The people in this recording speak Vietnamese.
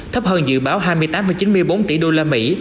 thấp hơn dự báo hai mươi tám chín mươi bốn tỷ usd